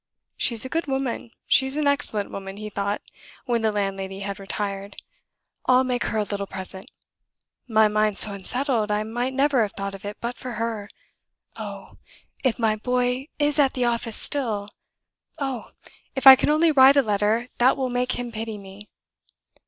She's a good woman; she's an excellent woman," he thought, when the landlady had retired. "I'll make her a little present. My mind's so unsettled, I might never have thought of it but for her. Oh, if my boy is at the office still! Oh, if I can only write a letter that will make him pity me!"